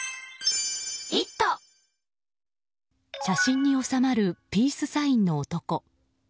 写真に納まるピースサインの男。